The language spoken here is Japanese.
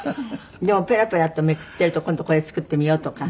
でもペラペラとめくっていると今度これ作ってみようとか。